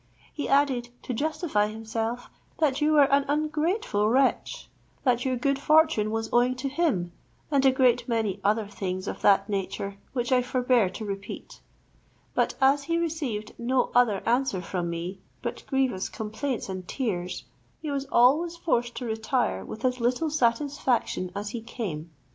He added, to justify himself, that you were an ungrateful wretch; that your good fortune was owing to him, and a great many other things of that nature which I forbear to repeat: but as he received no other answer from me but grievous complaints and tears, he was always forced to retire with as little satisfaction as he came.